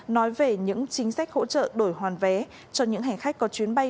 nói về những chính sách hỗ trợ đổi hoàn vé cho những hành khách có chuyến bay